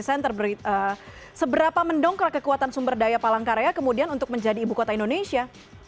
saya seberapa mendongkrak kekuatan sumber daya palangkaraya kemudian untuk menjadi ibu kota indonesia